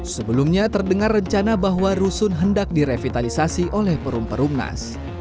sebelumnya terdengar rencana bahwa rusun hendak direvitalisasi oleh perum perumnas